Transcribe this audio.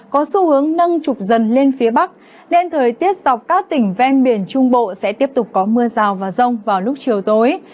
có xu hướng nâng trục dần lên phía bắc nên thời tiết dọc các tỉnh ven biển trung bộ sẽ tiếp tục có mưa rào và rông vào lúc chiều tối